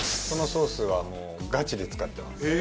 このソースはもうガチで使ってます。